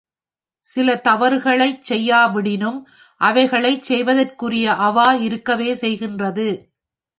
சில தவறுகளைச் செய்யாவிடினும் அவைகளைச் செய்வதற்குரிய அவா இருக்கவே செய்கின்றது.